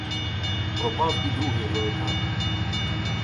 Пропав і другий великан!